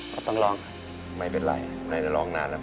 ก็ต้องร้องไม่เป็นไรไหนจะร้องนานแล้ว